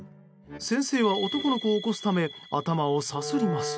先生は男の子を起こすため頭をさすります。